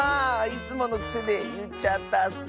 いつものくせでいっちゃったッス。